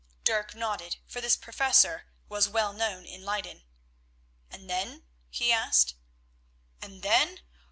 Dirk nodded, for this Professor was well known in Leyden. "And then?" he asked. "And then?